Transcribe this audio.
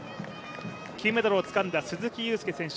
金メダルをつかんだ鈴木雄介選手